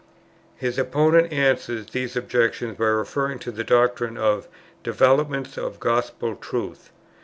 His opponent answers these objections by referring to the doctrine of "developments of gospel truth."